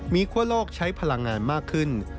มีคั่วโลกใช้พลังงานมากขึ้น